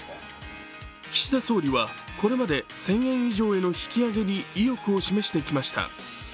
岸田総理はこれまで１０００円以上への引き上げに意欲を示してきました。